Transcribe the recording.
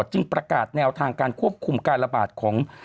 จึงประกาศแนวทางการควบคุมการระบาดของ